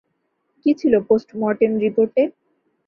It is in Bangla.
কী ছিল পোষ্ট মর্টেম রিপোর্টে?